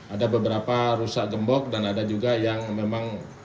ada beberapa rusak gembok dan ada juga yang memang